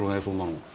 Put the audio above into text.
そんなの。